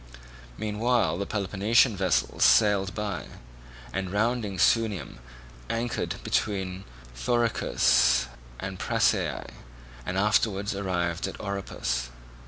Meanwhile the Peloponnesian vessels sailed by, and rounding Sunium anchored between Thoricus and Prasiae, and afterwards arrived at Oropus.